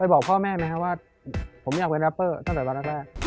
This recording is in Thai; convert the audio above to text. บอกพ่อแม่ไหมครับว่าผมอยากเป็นแรปเปอร์ตั้งแต่วันแรก